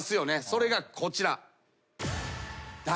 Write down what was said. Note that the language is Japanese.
それがこちら。